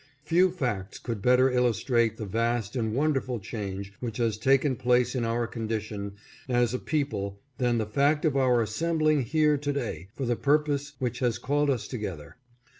Few facts could better illustrate the vast and wonder ful change which has taken place in our condition as a people than the fact of our assembling here to day for the purpose which has called us together.